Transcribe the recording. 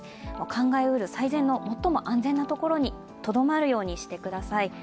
考え得る最善の最も安全なところにとどまるようにしてください。